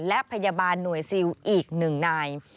และพยาบาลหน่วยซิลอีก๑นาย